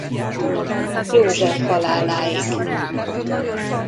József haláláig.